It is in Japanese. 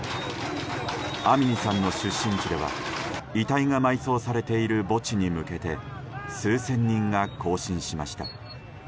アミニさんの出身地では遺体が埋葬されている墓地に向けて数千人が行進しました。